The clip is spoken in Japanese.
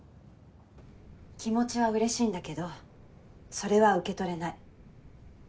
気持ちは嬉しいんだけどそれは受け取れない。